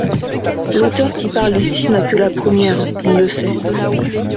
L’auteur qui parle ici n’a que la première, il le sait.